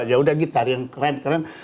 ya udah gitar yang keren keren